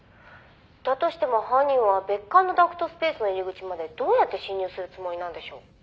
「だとしても犯人は別館のダクトスペースの入り口までどうやって侵入するつもりなんでしょう？」